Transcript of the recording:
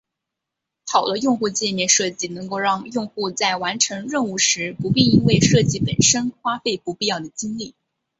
好的用户界面设计能够让用户在完成任务时不必因为设计本身花费不必要的精力。